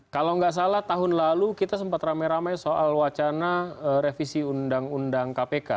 kalau nggak salah tahun lalu kita sempat ramai ramai soal wacana revisi undang undang kpk